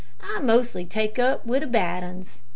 I mostly take up wi' the bad 'uns.